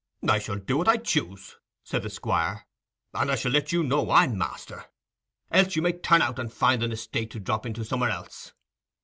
"I shall do what I choose," said the Squire, "and I shall let you know I'm master; else you may turn out and find an estate to drop into somewhere else.